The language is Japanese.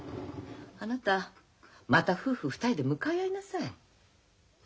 あなたまた夫婦２人で向かい合いなさい。